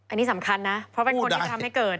อันนี้สำคัญนะเพราะเป็นคนที่จะทำให้เกิด